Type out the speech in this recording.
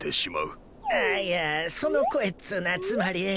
あいやその声っつのはつまり。